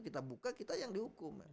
kita buka kita yang dihukum